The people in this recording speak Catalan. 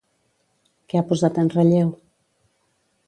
Què ha posat en relleu?